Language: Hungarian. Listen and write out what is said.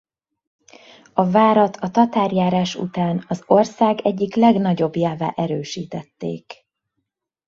A várat a tatárjárás után az ország egyik legnagyobbjává erősítették.